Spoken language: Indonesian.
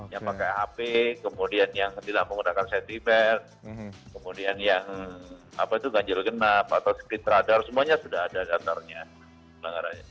yang pakai hp kemudian yang setidaknya menggunakan sentimeter kemudian yang apa itu ganjil genap atau speed radar semuanya sudah ada datarnya